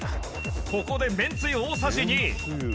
ここで麺つゆ大さじ２